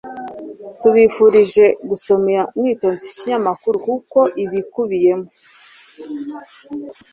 tubifurije gusoma mwitonze iki kinyamakuru kuko ibikubiyemo